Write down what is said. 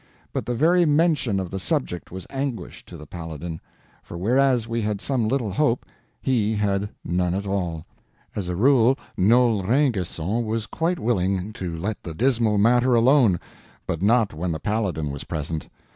But the very mention of the subject was anguish to the Paladin; for whereas we had some little hope, he had none at all. As a rule Noel Rainguesson was quite willing to let the dismal matter alone; but not when the Paladin was present.